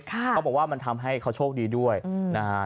เขาบอกว่ามันทำให้เขาโชคดีด้วยนะฮะ